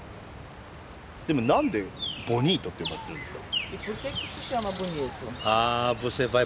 でも何でボニートって呼ばれてるんですか？